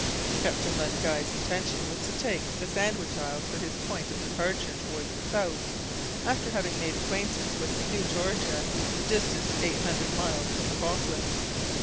Captain Len Guy's intention was to take the Sandwich Isles for his point of departure towards the south, after having made acquaintance with New Georgia, distant eight hundred miles from the Falklands.